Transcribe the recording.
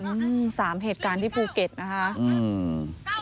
สามเหตุการณ์ที่ภูเก็ตนะครับ